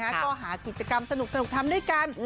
ก็หากิจกรรมสนุกทำด้วยกัน